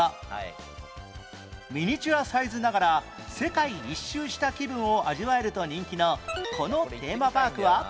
ミニチュアサイズながら世界一周した気分を味わえると人気のこのテーマパークは？